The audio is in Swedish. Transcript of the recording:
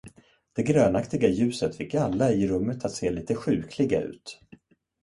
Det grönaktiga ljuset fick alla i rummet att se lite sjukliga ut.